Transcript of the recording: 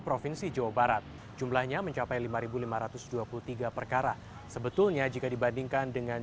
provinsi jawa barat jumlahnya mencapai lima ribu lima ratus dua puluh tiga perkara sebetulnya jika dibandingkan dengan